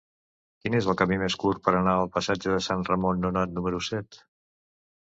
Quin és el camí més curt per anar al passatge de Sant Ramon Nonat número set?